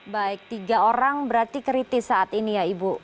baik tiga orang berarti kritis saat ini ya ibu